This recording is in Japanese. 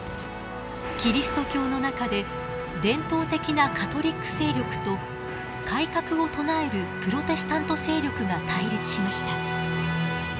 キリスト教の中で伝統的なカトリック勢力と改革を唱えるプロテスタント勢力が対立しました。